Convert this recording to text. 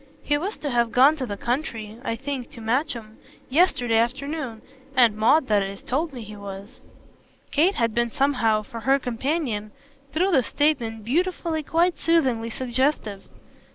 He was to have gone to the country I think to Matcham yesterday afternoon: Aunt Maud, that is, told me he was." Kate had been somehow, for her companion, through this statement, beautifully, quite soothingly, suggestive.